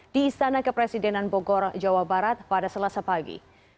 di istana kepresidenan bogor jawa barat pada selasa pagi